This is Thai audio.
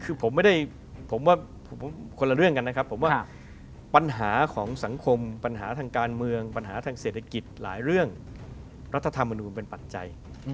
คือผมไม่ได้ผมว่าคนละเรื่องกันนะครับผมว่าปัญหาของสังคมปัญหาทางการเมืองปัญหาทางเศรษฐกิจหลายเรื่องรัฐธรรมนูลเป็นปัจจัย